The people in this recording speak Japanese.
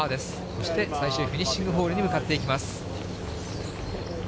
そして最終フィニッシングホールに向かっていきます。